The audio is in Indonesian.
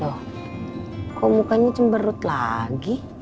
oh kok mukanya cemberut lagi